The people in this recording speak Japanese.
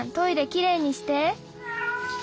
きれいにしてー！』